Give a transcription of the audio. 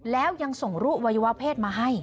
แล้วยังส่งรูปอวัยวะเพศมาให้